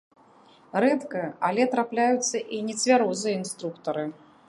Рэдка, але трапляюцца і нецвярозыя інструктары.